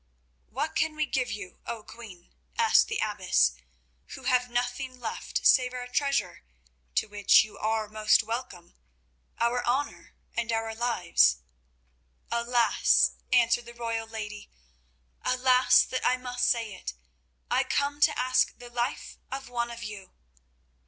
"What can we give you, O Queen," asked the abbess, "who have nothing left save our treasure, to which you are most welcome, our honour, and our lives?" "Alas!" answered the royal lady. "Alas, that I must say it! I come to ask the life of one of you."